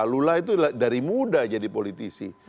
lula itu dari muda jadi politisi